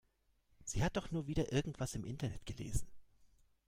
Sie hat doch nur wieder irgendwas im Internet gelesen.